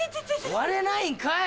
割れないんかい！